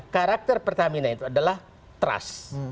karakter pertamina itu adalah trust